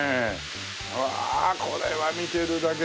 うわあこれは見てるだけで。